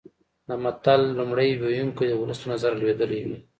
د متل لومړی ویونکی د ولس له نظره لویدلی وي